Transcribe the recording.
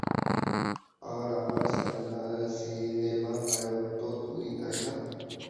আর আমার সিনেমার নায়ক তো তুই, তাই না?